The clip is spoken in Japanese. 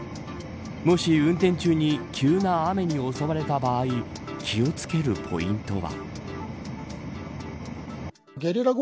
もし運転中に急な雨に襲われた場合気を付けるポイントは。